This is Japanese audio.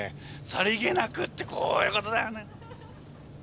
さりげなくってこういうことだよね。